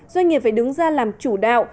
doanh nghiệp phải đứng ra làm chủ đạo